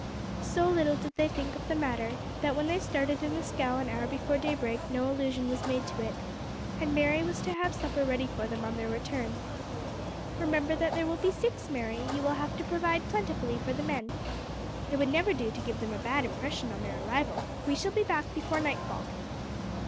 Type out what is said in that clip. So little did they think of the matter that when they started in the scow an hour before daybreak no allusion was made to it, and Mary was to have supper ready for them on their return. "Remember that there will be six, Mary, and you will have to provide plentifully for the men. It would never do to give them a bad impression on their arrival. We shall be back before nightfall."